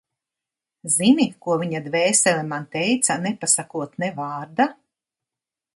Zini, ko viņa dvēsele man teica, nepasakot ne vārda?